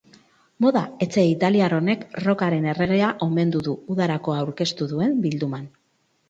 Moda etxe italiar honek rockaren erregea omendu du udarako aurkeztu duen bilduman.